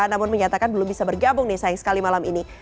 namun menyatakan belum bisa bergabung nih sayang sekali malam ini